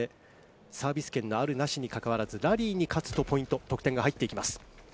サービス権があるなしにかかわらず、ラリーに勝つとポイント、得点が入っていきます。